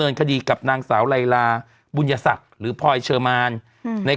เนินคดีกับนางสาวลายลาบุญศักษณ์หรือพรยเชิร์มานใน